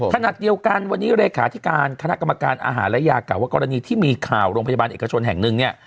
ขณะเดียวกันวันนี้เลขาธิการคณะกรรมการอาหารและยากล่าวว่ากรณีที่มีข่าวโรงพยาบาลเอกชนแห่งหนึ่งเนี่ย